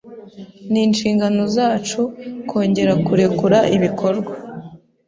Ninshingano zacu kongera kurekura ibikorwa